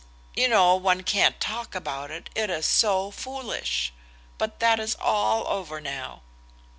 You know one can't talk about it, it is so foolish. But that is all over now."